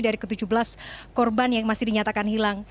dari ke tujuh belas korban yang masih dinyatakan hilang